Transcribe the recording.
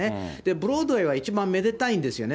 ブロードウェイは一番めでたいんですよね。